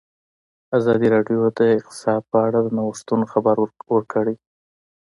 ازادي راډیو د اقتصاد په اړه د نوښتونو خبر ورکړی.